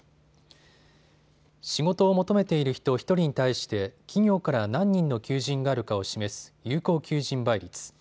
仕事を求めている人１人に対して企業から何人の求人があるかを示す有効求人倍率。